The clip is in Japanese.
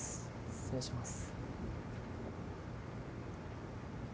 失礼します。